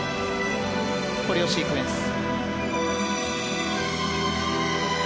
コレオシークエンス。